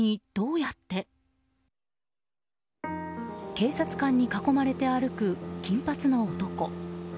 警察官に囲まれて歩く金髪の男。